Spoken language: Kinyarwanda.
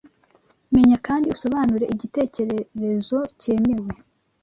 Menya kandi usobanure icyitegererezo cyemewe